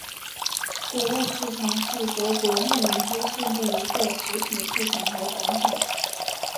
谷物市场是德国慕尼黑市内一个食品市场和广场。